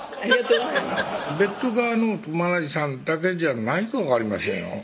ベッド側のお隣さんだけじゃないかもわかりませんよ